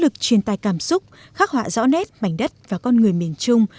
chuyên tài cảm xúc khắc họa rõ nét mảnh đất và con người miền trung